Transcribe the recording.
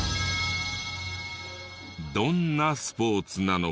どんなスポーツなのか。